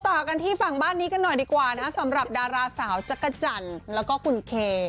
ต่อกันที่ฝั่งบ้านนี้กันหน่อยดีกว่านะสำหรับดาราสาวจักรจันทร์แล้วก็คุณเค